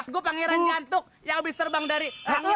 gue pangeran nyantuk yang habis terbang dari